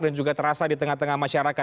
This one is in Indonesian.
dan juga terasa di tengah tengah masyarakat